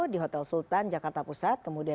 di hotel sultan jakarta pusat kemudian